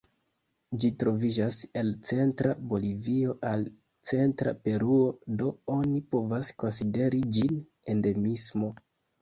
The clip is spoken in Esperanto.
Ĝi troviĝas el centra Bolivio al centra Peruo, do oni povas konsideri ĝin endemismo.